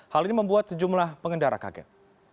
hal ini membuat sejumlah pengendara kaget